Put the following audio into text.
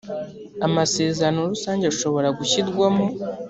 amasezerano rusange ashobora gushyirwamo